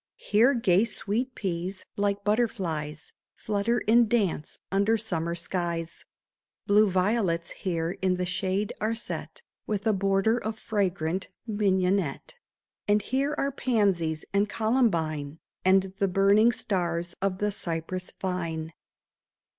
Here gay sweet peas, like butterflies. Flutter and dance under summer skies ; Blue violets here in the shade are set, With a border of fragrant mignonette ; And here are pansies and columbine, And the burning stars of the cypress vine.